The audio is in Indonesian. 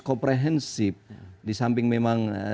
komprehensif disamping memang